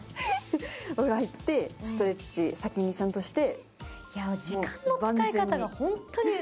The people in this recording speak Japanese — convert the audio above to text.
お風呂入ってストレッチ、先にちゃんとして。